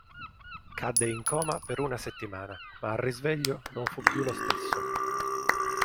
Cadde in coma per una settimana, ma al risveglio non fu più lo stesso.